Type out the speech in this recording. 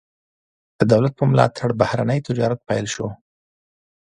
د دولت په ملاتړ بهرنی تجارت پیل شو.